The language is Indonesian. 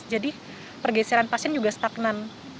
jadi pergeseran pasien juga stagnan